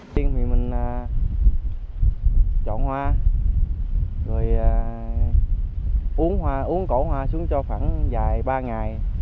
tiếng thì mình chọn hoa rồi uống cổ hoa xuống cho khoảng dài ba ngày